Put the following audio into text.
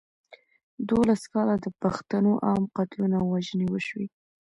دولس کاله د پښتنو عام قتلونه او وژنې وشوې.